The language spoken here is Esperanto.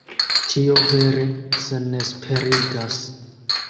Tio vere senesperigas.